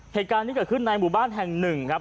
เหตุการณ์นี้ก็คือในหมู่บ้านแห่ง๑ครับ